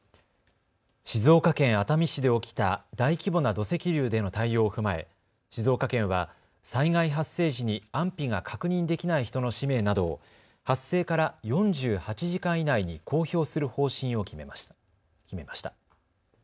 静岡県熱海市で起きた大規模な土石流での対応を踏まえ静岡県は災害発生時に安否が確認できない人の氏名などを発生から４８時間以内に公表する方針を決めました。